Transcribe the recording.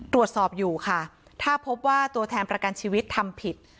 ตรวจสอบอยู่ค่ะถ้าพบว่าตัวแทนประกันชีวิตทำผิด